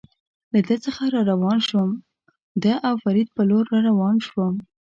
له ده څخه را روان شوم، د او فرید په لور ور روان شوم.